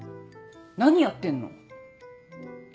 何やってんの？